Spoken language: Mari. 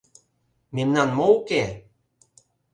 Мемнан мо уке.